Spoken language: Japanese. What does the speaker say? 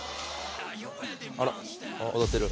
あら踊ってる。